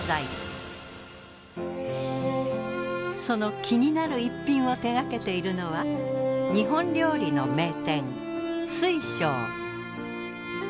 その気になる逸品を手がけているのは日本料理の名店翠祥。